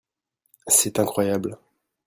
C'est incroyable !